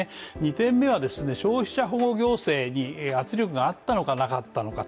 ２点目は、消費者保護行政に圧力があったのか、なかったのか。